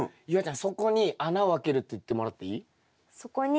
夕空ちゃん底に穴をあけるって言ってもらっていい？